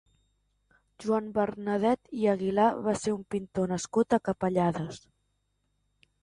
Joan Bernadet i Aguilar va ser un pintor nascut a Capellades.